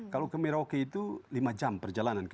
kalau ke merauke itu lima jam perjalanan